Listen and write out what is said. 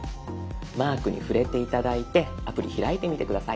マークに触れて頂いてアプリ開いてみて下さい。